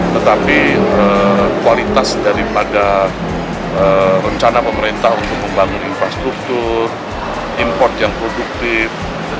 tetapi kualitas daripada rencana pemerintah untuk membangun infrastruktur import yang produktif